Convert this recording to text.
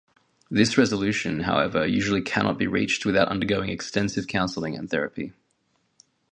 This resolution, however, usually cannot be reached without undergoing extensive counseling and therapy.